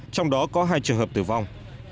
trong đó có hai trường hợp tử vong